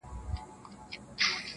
ځيني يې لوړ هنر بولي تل,